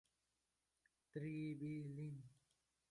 Pelotari aficionado en su juventud.